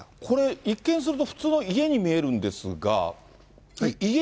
これ、一見すると普通の家に見えるんですが。